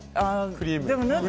クリーム。